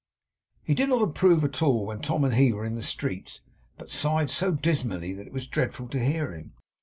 He did not improve at all when Tom and he were in the streets, but sighed so dismally that it was dreadful to hear him.